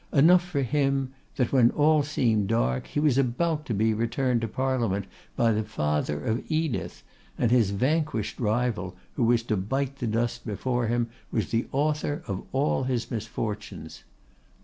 Enough for him, that when all seemed dark, he was about to be returned to Parliament by the father of Edith, and his vanquished rival who was to bite the dust before him was the author of all his misfortunes.